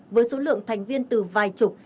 với số lượng thành viên từ vài chục